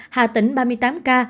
hà tĩnh ba mươi tám ca